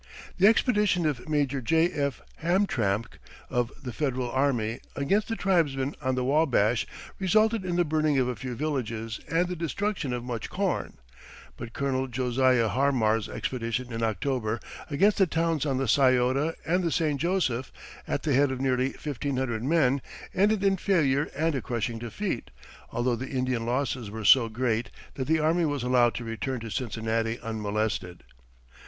The expedition of Major J. F. Hamtramck, of the Federal Army, against the tribesmen on the Wabash, resulted in the burning of a few villages and the destruction of much corn; but Colonel Josiah Harmar's expedition in October against the towns on the Scioto and the St. Joseph, at the head of nearly 1,500 men, ended in failure and a crushing defeat, although the Indian losses were so great that the army was allowed to return to Cincinnati unmolested.